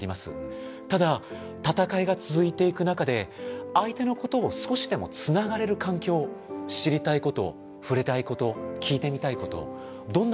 ただ戦いが続いていく中で相手のことを少しでもつながれる環境知りたいこと触れたいこと聞いてみたいことどんなことでもいい。